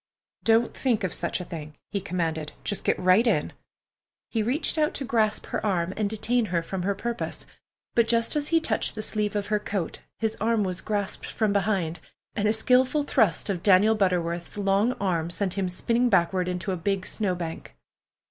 "Don't think of such a thing," he commanded. "Just get right in." He reached out to grasp her arm and detain her from her purpose, but just as he touched the sleeve of her coat his arm was grasped from behind, and a skilful thrust of Daniel Butterworth's long arm sent him spinning backward into a big snowbank.